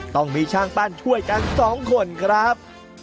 ต้องมีช่างปั้นช่วยกัน๒คนครับ